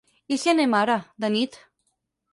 I si hi anem ara, de nit?